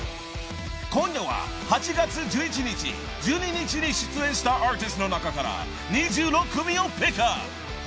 ［今夜は８月１１日１２日に出演したアーティストの中から２６組をピックアップ］